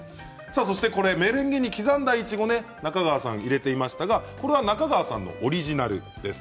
そしてメレンゲに刻んだいちごを中川さん、入れていましたがこれは中川さんのオリジナルです。